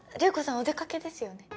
お出かけですよね